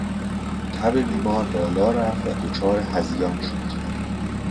تب بیمار بالا رفت و دچار هذیان شد.